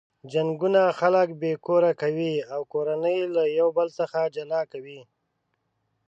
جنګونه خلک بې کوره کوي او کورنۍ له یو بل څخه جلا کوي.